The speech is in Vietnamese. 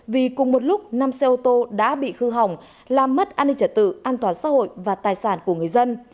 vì cùng một lúc năm xe ô tô đã bị hư hỏng làm mất an ninh trả tự an toàn xã hội và tài sản của người dân